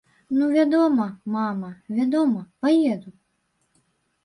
Ну вядома, мама, вядома, паеду.